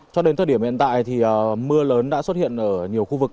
cho đến thời điểm hiện tại thì mưa lớn đã xuất hiện ở nhiều khu vực